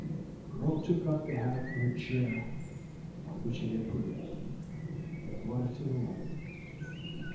The girl took up the hat from a chair on which he had put it, and brought it to the light.